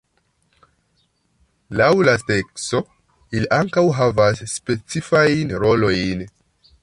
Laŭ la sekso, ili ankaŭ havas specifajn rolojn.